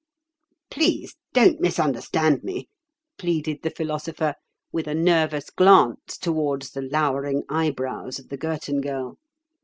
"Please don't misunderstand me," pleaded the Philosopher, with a nervous glance towards the lowering eyebrows of the Girton Girl.